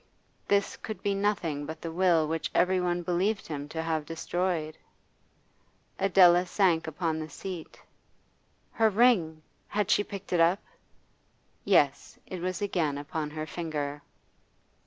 This could be nothing but the will which every one believed him to have destroyed. Adela sank upon the seat. Her ring! Had she picked it up? Yes; it was again upon her finger.